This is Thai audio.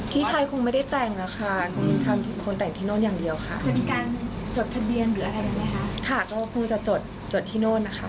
ค่ะก็คงจะจดที่โน่นนะคะ